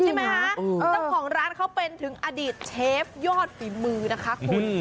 เจ้าของร้านเขาเป็นถึงอดีตเชฟยอดฝีมือนะคะคุณ